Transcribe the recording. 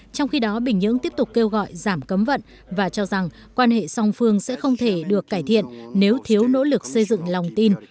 trong khi đó bình nhưỡng tiếp tục kêu gọi giảm cấm vận và cho rằng quan hệ song phương sẽ không thể được cải thiện nếu thiếu nỗ lực xây dựng lòng tin